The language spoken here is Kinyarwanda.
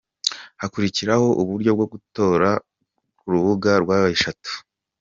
Hakurikiraho uburyo bwo gutora ku rubuga rwa www.